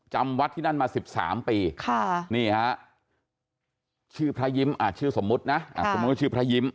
จำวัดที่นั่นมา๑๓ปีชื่อพระยิ้มชื่อสมมตินะชื่อพระยิ้ม